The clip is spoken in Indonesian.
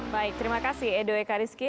baik terima kasih edo eka rizky